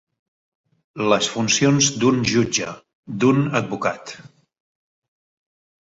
Les funcions d'un jutge, d'un advocat.